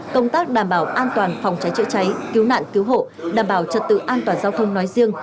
công tác đảm bảo an toàn phòng cháy chữa cháy cứu nạn cứu hộ đảm bảo trật tự an toàn giao thông nói riêng